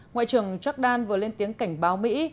ngoại trưởng jordan vừa lên tiếng cảnh báo mỹ